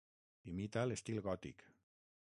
Imita l'estil gòtic.